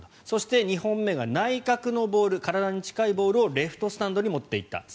そして２本目が内角のボールをレフトスタンドに持っていった。